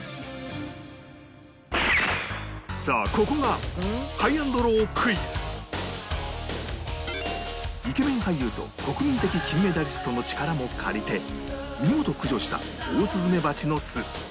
さあここがイケメン俳優と国民的金メダリストの力も借りて見事駆除したオオスズメバチの巣